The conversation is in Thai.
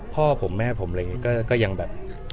พ่อผมแม่ผมอะไรอย่างนี้ก็ยังแบบ